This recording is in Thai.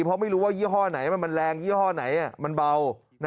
เพราะไม่รู้ว่ายี่ห้อไหนมันแรงยี่ห้อไหนมันเบา